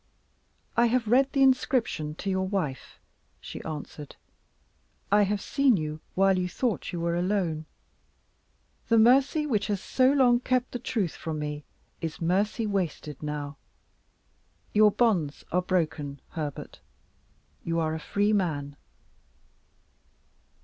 "I have read the inscription to your wife," she answered; "I have seen you while you thought you were alone; the mercy which has so long kept the truth from me is mercy wasted now. Your bonds are broken, Herbert. You are a free man."